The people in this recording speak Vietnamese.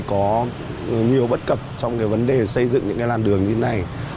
có nhiều bất cập trong cái vấn đề xây dựng những cái làn đường như thế này